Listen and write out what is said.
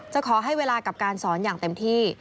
จะขอให้เวลากับการสอนอย่างเต็มที่